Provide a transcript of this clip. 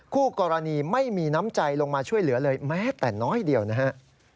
คู่กรณีไม่มีน้ำใจลงมาช่วยเหลือเลยแม้แต่น้อยเดียวนะฮะ